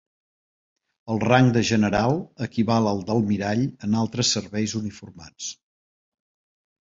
El rang de general equival al d'almirall en altres serveis uniformats.